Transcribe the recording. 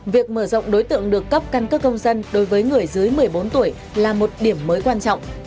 việc mở rộng đối tượng được cấp căn cước công dân đối với người dưới một mươi bốn tuổi là một điểm mới quan trọng